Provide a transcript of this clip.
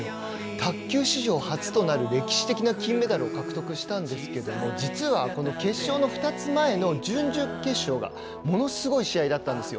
卓球史上初となる歴史的な金メダルを獲得したんですけども実はこの決勝の２つ前の準々決勝がものすごい試合だったんですよ。